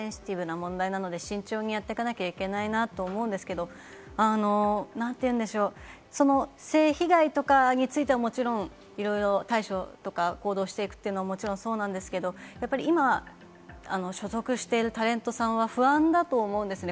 センシティブな問題なので慎重にやっていかなきゃいけないと思うんですけれども、性被害とかについてはもちろん、いろいろ対処とか、行動していくのはもちろんですけれども、今所属しているタレントさんは不安だと思うんですね。